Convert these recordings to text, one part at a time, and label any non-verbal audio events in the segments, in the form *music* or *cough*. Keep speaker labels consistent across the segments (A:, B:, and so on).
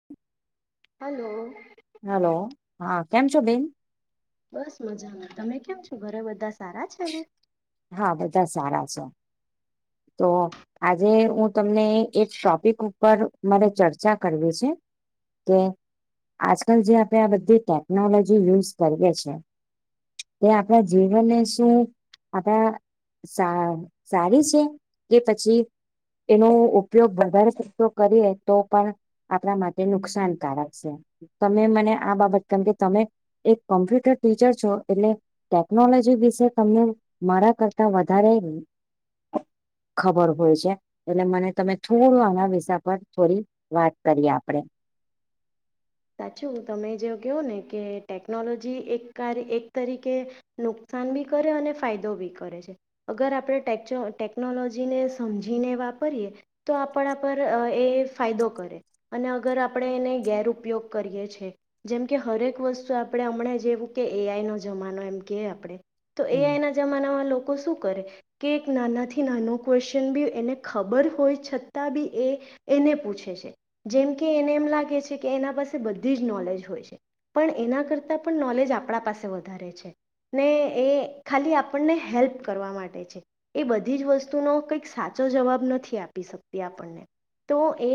A: *inaudible*
B: Hello
A: hello હા કેમ છો બેન
B: બસ મજામાં તમે કેમ છો ઘરે બધા સારા છે ને
A: હા બધા સારા છે તો આજે હું તમને એક ટોપિક ઉપર મારે ચર્ચા કરવી છે કે આજકાલ જે આપણેે આ બધી ટેકનોલોજી યુઝ કરીએ છીએ તે આપણા જીવનને શું આપણા સારી છે કે પછી એનો ઉપયોગ વધારેતો કરીએ તો પણ આપણા માટે નુકસાનકારક છે તમે મને આ બાબત કેમ કે તમે એક કોમ્પ્યુટર ટીચર છો એટલે ટેકનોલોજી વિશે તને મારા કરતા વધારે ખબર હોય છે. એટલે મને તમે થોડું આણા વિષા પર થોડી વાત કરીએ આપડે
B: સાચું તમે જેવ કહો ને કે ટેકનોલોજી એક કાર એક તરીકે નુકસાન બી કરે અને ફાયદો બી કરે છે. અગર આપણેટે ટેકનોલોજીને સમજીને વાપરીએ તો આપણા પર એ ફાયદો કરે અને અગર આપણે એને ગેર ઉપયોગ કરીએ છીએ. જેમ કે હરેક વસ્તુ આપણે હમણાં જેવું કે એઆઈ નો જમાનો એમ કે આપણે તો
A: હમ
B: એઆના જમાનામાં લોકો શું કરે? કે એક નાનાથી નાનો ક્વેશ્ચન બી એને ખબર હોય છતાં બી એ એને પૂછે છે જેમ કે એને એમ લાગે છે કે એના પાસે બધી જ નોલેજ હોય છે પણ એના કરતા પણ નોલેજ આપણા પાસે વધારે છે. ને એ ખાલી આપણને હેલ્પ કરવા માટે છે. એ બધી જ વસ્તુનો કંઈક સાચો જવાબ નથી આપી શકતી આપણને તો એ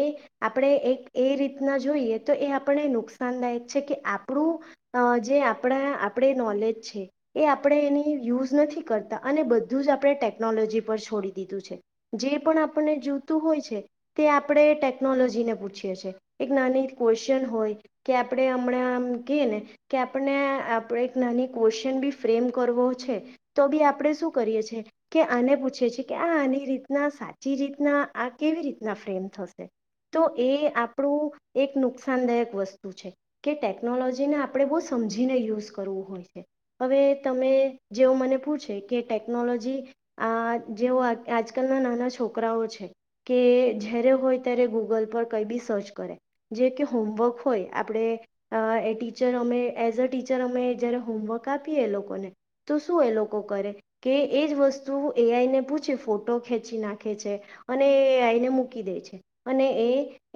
B: આપણે એક એ રીતના જોઈએ તો એ આપ નુકસાનદાયક છે કે આપણું જે આપણા આપણે નોલેજ છે. એ આપણે એની યુઝ નથી કરતા અને બધું જ આપણે ટેકનોલોજી પર છોડી દીધું છે. જે પણ આપણને જોતું હોય છે. તે આપણે ટેકનોલોજી ને પૂછીએ છ છેીએ એક નાની ક્વ હોય કે આપડે હમણાં આમ ક ને કે આપને આપણે એક નાની ક્વેશ્ચન બી ફ્રેમ કરવો છે. તો ભી આપડે શું કરીએ છેીએ કે આને પૂછે છેી કે આ આની રીતના સાચી રીતના આ કેવી રીતના ફ્રેમ થશે. તો એ આપણું એક નુકસાન નુસાનદાયક વસ્તુ છે કે ટેકનોલોજીને આપણે બહુ સમજીને યુઝ કરવું હોય છે. હવે તમે જેવું મને પૂછે કે ટેકનોલોજી આ જેઓ આજકાલના નાના છોકરાઓ છે. કે જ્યારે હોય ત્યારે ગૂગલ પર કઈ બી સર્ચ કરે જે કે હોમવર્ક હોય આપણે અ એ ટીચર અમે એઝ અ ટીચર અમે જય્યારે હોમવર્ક આપીએ એ લોકોને તો શું એ લોકો કરે કે એજ વસ્તુ એઆઈ ને પૂછે ફોટો ખેંચી નાખે છે. અને એને મૂકી દે છે અને એ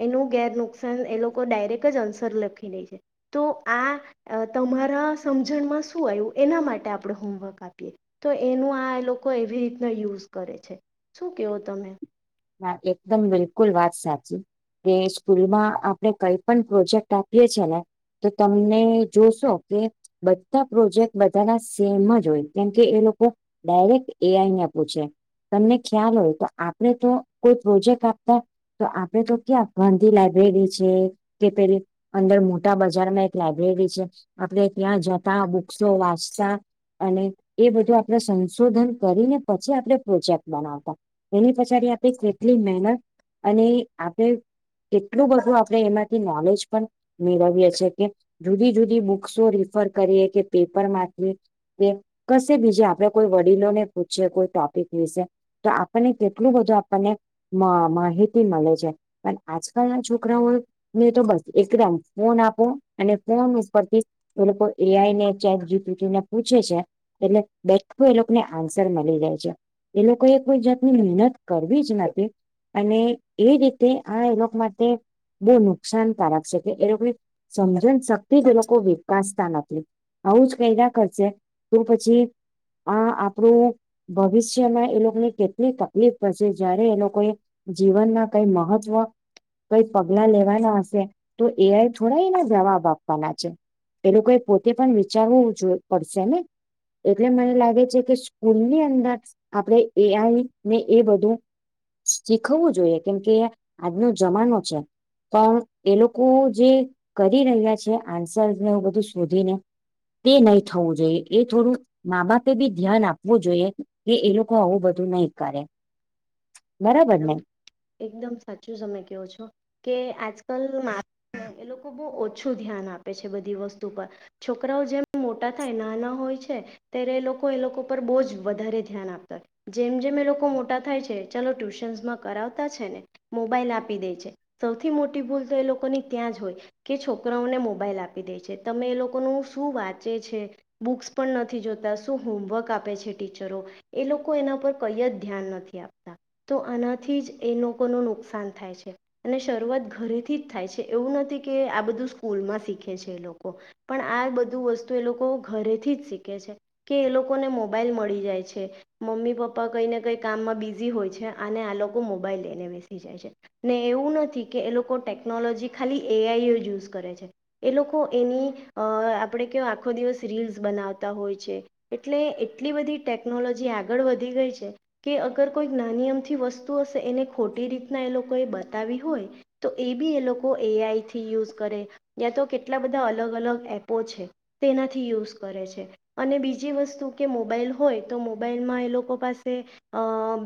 B: એનું ગેર નુકસાન એ લોકો ડાયરેક્ટ જ આન્સર લખીનેઈ છે. તો આ તમારા સમજણમાં શું આવ્યું એના માટે આપણે હોમવર્ક આપીએ તો એનું આ લોકો એવી રીતના યુઝ કરે છે શું કેવો તમે
A: હ એકદમ બિલકુલ વાત સાચી. કે સ્કૂલમાં આપણે કઈ પણ પ્રોજેક્ટ આપીએ છે ને કે તમને જોશો કે બધા પ્રોજેક્ટ બધાના સેમ જ હોય કેમ કે એ લોકો ડાયરેક્ટ એઆઈ ને પૂછે તમને ખ્યાલ હોય તો આપણે તો કોઈ પ્રોજેક્ટ આપતા તો આપડે તો ક્યાં ગાંધી લાઈબ્રેરી છે કે પેલી અંદર મોટા બજારમાં એક લાઈબ્રેરી છે આપણે ત્યાં જતા બુક્સો વાંચતા અને એ બધું આપણે સંશોધન કરીને પછી આપણે પ્રોજેક્ટ બનાવતા એની પછડી આપે કેટલી મહેનત અને આપે કેટલું બધું આપણે એમાંથી નોલેજ પણ મેળવીએ છ છેીએ કે જુદી જુદી બુક્સો રીફર કરીએ કે પેપર માંથી કશે બીજે આપડે કોઈ વડીલો ને પૂછી કોઈ ટોપિક વિશે તો આપણને કેટલું બધું આપ પને મ માહિતી મલે છે. પણ આજકાલના છોકરાઓએ નહીં તો બસ એક રાઉન્ડ ફોન આપો અને ફોન ઉપરથી એ લોકો એઆઈને, ચેટ જીપીટી ને પૂછે છે એટલે બેઠું એ લોકને આન્સર મલી જાય છે. એ લોકોએ કોઈ જાતની મહેનત કરવી જ નથી અને એ રીતે આણે એ લોક માટે બહુ નુકસાનકારક છે કે એ લોકને સમજણ શક્તિ જ એ લોકો વિકાસતા નથી. આવું જ કંઇરા કરશે તો પછી આ આપણું ભવિષ્યમાં એ લોકને કેટલી તકલીફ પડશે જયારે એ લોકોએ જીવનના કઈ મહત્વ કઈ પગલા લેવાના હશે તો એઆઈ થોડા એના જવાબ આપવાના છે. એ લોકોએ પોતે પણ વિચારવું જોય પડશે ને? એટલે મને લાગે છે કે સ્કૂલની અંદર આપણેે એઆઈ ને એ બધું શીખવવું જોઈએ કેમ કે આજનો જમાનો છે. પણ એ લોકો જે કરી રહ્યા છે આન્સરને એવું બધું શોધીને તે નહી થવું જોઈએ એ થોડું મા બાપે બી ધ્યાન આપવું જોઈએ કે એ લોકો આવું બધું નહી કરે. બરાબર
B: એકદમ
A: ને?
B: એકદમ સાચું સમય કયો છો. કે આજકાલ માં એ લોકો બહુ ઓછું ધ્યાન આપે છે બધી વસ્તુ પર. છોકરાઓ જેમ મોટા થાય નાના હોય છે. ત્યારે એ લોકો એ લોકો પર બોજ વધારે ધ્યાન આપતા હોય, જેમ જેમ એ લોકો મોટા થાય છે. ચાલો ટ્યુશન્સમાં કરાવતા છે ને. મોબાઈલ આપી દે છે સૌથી મોટી ભૂલ તો એ લોકોની ત્યાં જ હોય. કે છોકરાઓને મોબાઈલ આપી દે છે, તમે એ લોકોનું શું વાંચે છે. બુક્સ પણ નથી જોતા શું હોમવર્ક આપે છે ટીચરો. એ લોકો એના પર કઈ જ ધ્યાન નથી આપ તા તો આનાથી જ એ લોકોનું નુકસાન થાય છે. અને શરૂઆત ઘરેથી જ થાય છે એવું નથી કે આ બધું સ્કૂલમાં શીખે છે એ લોકો. પણ આ બધું વસ્તુ એ લોકો ઘરેથી જ શીખે છે. કે એ લોકોને મોબાઈલ મળી જાય છે, મમ્મી પપ્પા કઈ ને કઈ કામમાં બી ઝી હોય છે અને આ લોકો મોબાઈલ લઈને બેસી જાય છે. ને એવું નથી કે એ લોકો ટેકનોલોજી ખાલી એઆઈ યુઝ કરે છે. એ લોકો એની અ આપણે કેમ આખો દિવસ રીલ્સ બનાવતા હોય છે. એટલે એટલી બધી ટેકનોલોજી આગળ વધી ગઈ છે કે અ અગર કોઈ નાની અમથી વસ્તુ હશે એને ખોટી રીતના એ લોકોએ બતાવી હોય. તો એ બી એ લોકો એઆઈ થી યુઝ કરે, યાં તો કેટલા બધા અલગ અલગ એપો છે. તેનાથી યુઝ કરે છે. અને બીજી વસ્તુ કે મોબાઈલ હોય તો મોબાઈલમાં એ લોકો પાસે અ અમ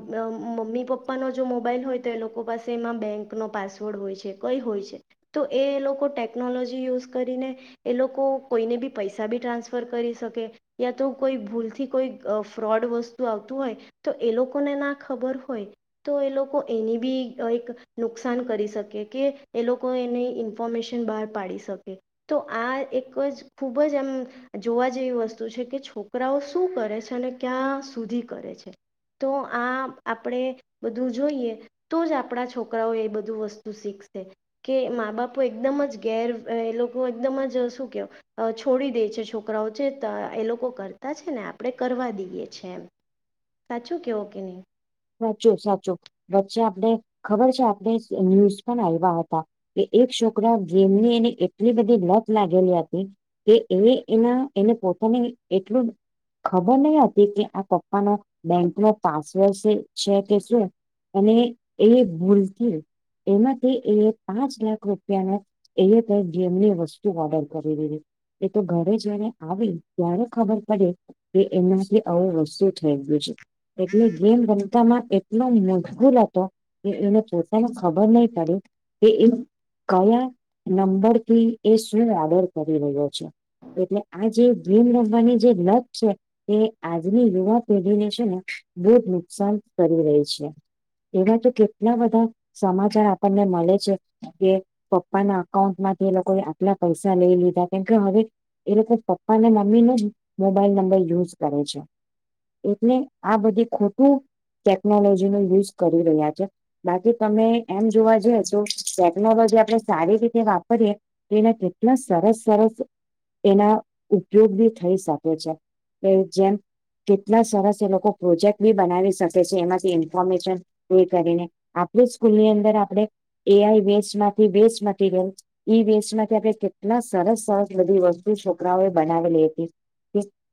B: મમ્મી પપ્પાનો જો મોબાઈલ હોય તો એ લોકો પાસે એમાં બેંકનો પાસવર્ડ હોય છે. કઈ હોય છે તો એ લોકો ટેકનોલોજી યુઝ કરીને. એ લોકો કોઈને બી પૈસા બી ટ્રાન્સફર કરી શકે. યા તો કોઈ ભૂલથી કોઈ ફ્રોડ વસ્તુ આવતું હોય. તો એ લોકોને ના ખબર હોય. તો એ લોકો એની બી એક નુકસાન કરી શકે કે એ લોકો એને ઈન ઇન્ફોમેશન બહાર પાડી શકે. તો આ એક જ ખૂબ જ એમ જોવા જેવી વસ્તુ છે કે છોકરાઓ શું કરે છે, અને ક્યાં સુધી કરે છે. તો આ આપડે બધું જોઈએ. તો જ આપણા છોકરાઓ એ બધું વસ્તુ શીખશે. કે મા બાપો એકદમ જ ઘેર એ લોકો એકદમ જ શું કયો. છોડી દે છે, છોકરાઓ છે એ લોકો કરતા છે, ને આપણે કરવા દઈએ છી એમ. સાચ ઓકે ઓકે ન!.
A: સાચું સાચું વચ્ચે આપડ ખબર છે, આપણે ન્યૂઝ પણ આવ્યા હતા. કે એક છોકરા ગેમની એની એટલી બધી લત લાગેલી હતી. કે એ એના એને પોતાને એટલું. ખબર નહ હતી કે આ પપ્પાનોો બેંક નો પાસવર્ડ છે. છે, કે શું અને એ ભૂલથી!. એમાંથી એ પાંચ લાખ રૂપિયાનો!. એ જેમની વસ્તુ ઓર્ડર કરીલીીધી. એ તો ઘરે જયારે આવે ત્યારે ખબર પડે. કે એનાથી આવું વસ્તુ થઈ ગયું છે એટલે જેમ. પો એટલો મશગૂલ હતો કે એને પોતાને ખબર નહી પડ્યું કે. કયા નંબરથી એ શું ઓર્ડર કરી રહ્યો છે. એટલે આ જે ભીમ રમવાની જે લગ છે. તે આજની યુવા પેઢીને છે, ને બહુ જ નુકસાન કરી રહી છે. એવા તો કેટલા બધા સમાચાર આપણને મલે છે. જે પપ્પાના અકાઉન્ટ માંથી એ લોકોએ આટલા પૈસા લઈ લીધા કેમકે હવે એ લોકો પપ્પા ને મમ્મી નુ જ મોબાઈલ નંબર યુઝ કરે છે. એટલે આ બધી ખોટું ટેકનોલોજી નો યુઝ કરી રહ્યા છે. બાકી તમે એમ જોવા *unintelligible* ટેકનોલોજી આપણે સારી રીતે વાપરીએ એના કેટલા સરસ સરસ એના ઉપયોગ બી થઈ શકે છે. જેમ કેટલા સરસ એ લોકો પ્રોજેક્ટ બી બનાવી શકે છે, એમાંથી ઇન્ફોર્મેશન *inaudible* કરીને આપણી સ્કૂલની અંદર આપણે એ આઈ વેસ્ટ માંથી *unintelligible* મટીરિયલ ઈ વેસ્ટ માંથી આપણે કેટલા સરસ સરસ બધી વસ્તુ છોકરાઓએ બનાવેલી હતી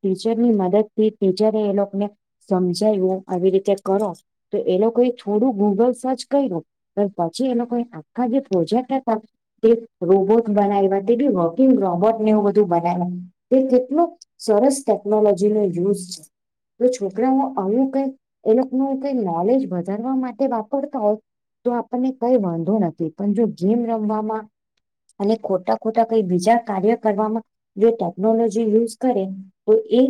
A: ટીચરની મદદ થી ટીચરે એ લોકોને સમજાવું આવી રીતે કરો તો એ લોકોએ થોડું ગૂગલ સર્ચ કયુ પન પછી એ લોકો આખા જે પ્રોજેક્ટ હતા તે રોબોટ બનાયવા તે બી વકિંગ રોબોટને એવું બધું બનાવ તે કેટલું સરસ ટેકનોલોજી નો યુઝ *inaudible* છોકરાઓ આવુ કઈ એ લોકો નુ કઈ નોલેજ વધારવા માટે વાપરતા હોય તો આપણને કઈ વાંધો નથી પણ જો ગેમ રમવામાં અને ખોટા ખોટા કઈ બીજા કાર્ય કરવામાં જો ટેકનોલોજી યુઝ કરે તો એ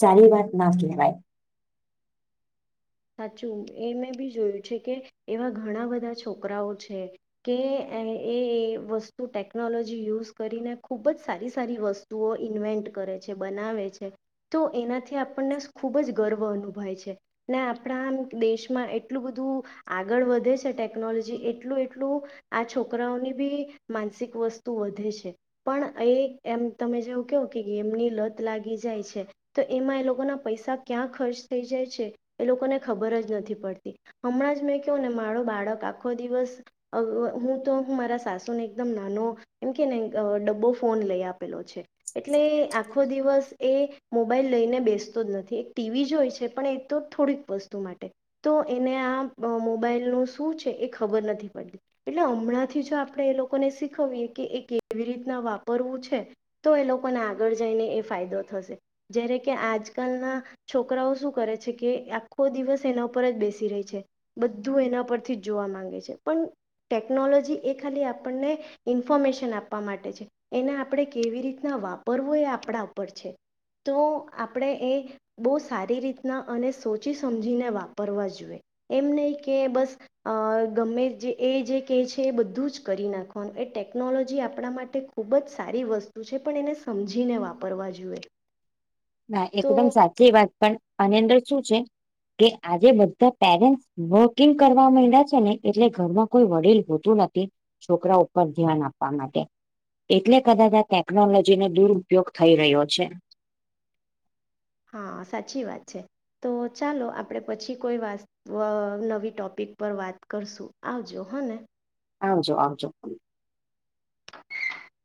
A: સારી વાત ના કહેવાય
B: સાચું એ મેં બી જોયું છે, કે એવા ઘણા બધા છોકરાઓ છે. કે એ વસ્તુ ટેકનોલોજી યુઝ કરીને ખુબ જ સારી સારી વ તુઓ ઇન્વેન્ટ કરે છે, બનાવે છે. તો એનાથી આપણને ખુબ જ ગર્વ અનુભય છે. ને આપણા આમ દેશમાં એટલું બધું આગળ વધે છે ટેકનોલોજી એટલું એટલું આ છોકરાઓની બી માનસિક વસ્તુ વધે છે. પણ એ એમ તમે જેવું કેવો કે ગેમની લત લાગી જાય છે. તો એમાં એ લોકોના પૈસા ક્યાં ખર્ચ થઈ જાય છે એ લોકોને ખબર જ નથી પડતી હમણાં જ મેં કેવ ને મારો બાળક આખો દિવસ હું તો મારા સાસુને એકદમ નાનો એમ કે ને ડબ્બો ફોન લઈ આપેલો છે, એટલે આખો દિવસ એ મોબાઈલ લઈને બેસતો જ નથી એક ટીવી જ હોય છે, પણ એ તો થોડીક વસ્તુ માટે તો એને આ મોબાઈલનું શું છે, એ ખબર નથી પડતી એટલે હમણાં થી જો આપણે એ લોકોને શીખવીએ કે એ કેવી રીતના વાપરવું છ. તો એ લોકોને આગળ જઈને એ ફાયદો થશે જ્યારે કે આજકાલ ના છોકરાઓ શું કરે છે. કે આખો દિવસ એના ઉપર જ બેસી રેય છે, બધું એના પરથી જ જોવા માંગે છે, પન ટેકનોલોજી એ ખાલી આપણને ઇન્ફોર્મેશન આપવા માટે છે. એને આપણે કેવી રીતના વાપરવું એ આપણા ઉપર છે તો આપણે એ બો સારી રીતના અને સોચી સમજીને વાપરવા જોઈએ. એમ નઈ કે બસ અ ગમે જે એ જે કેય છે એ બધું જ કરી નાખવાનું એ ટેકનોલોજી આપણા માટે ખૂબ જ સારી વસ્તુ છે પણ એને સમજીને વાપરવા જોઈએ.
A: ના
B: તો
A: એકદમ સાચી વાત પણ આની અંદર શું છે કે આજે બધા પેરેન્ટ વકિંગ કરવા મંઈડયા છે ને એટલે ઘરમાં કોઈ વડીલ હોતું નથી છોકરા ઉપર ધ્યાન આપવા માટે એટલે કદાચ આ ટેકનોલોજી નો દુરપયોગ થઈ રહ્યો છે
B: હા સાચી વાત છે તો ચાલો આપણે પછી કોઈ વાર નવી ટોપિક પર વાત કરશું આવજો હ ને
A: આવજો આવજો
B: *inaudible*